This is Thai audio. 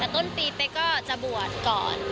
แต่ต้นปีเป๊กก็จะบวชก่อน